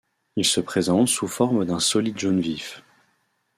Il se présente sous forme d'un solide jaune vif.